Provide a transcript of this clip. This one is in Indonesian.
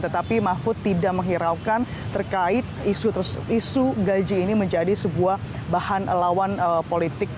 tetapi mahfud tidak menghiraukan terkait isu gaji ini menjadi sebuah bahan lawan politik